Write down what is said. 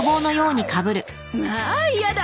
まあ嫌だ。